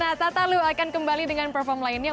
nah tata lu akan kembali dengan perform lainnya